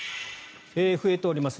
増えております。